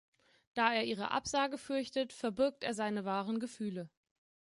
Da er ihre Absage fürchtet, verbirgt er seine wahren Gefühle.